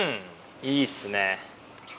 いいっすね。